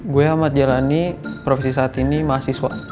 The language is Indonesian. gue amat jalani profesi saat ini mahasiswa